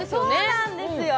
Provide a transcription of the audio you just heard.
そうなんですよ